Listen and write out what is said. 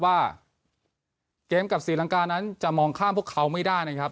ว่าเกมกับศรีลังกานั้นจะมองข้ามพวกเขาไม่ได้นะครับ